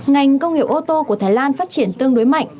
ngành công nghiệp ô tô của thái lan phát triển tương đối mạnh